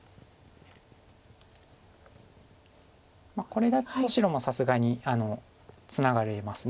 これだと白もさすがにツナがれます